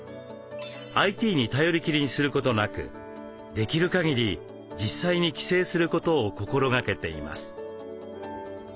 ＩＴに頼りきりにすることなくできるかぎり実際に帰省することを心がけています。